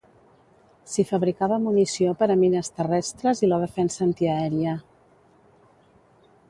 S'hi fabricava munició per a mines terrestres i la defensa antiaèria.